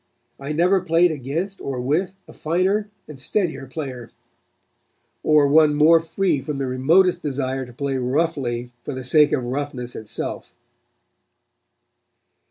I never played against or with a finer and steadier player, or one more free from the remotest desire to play roughly for the sake of roughness itself."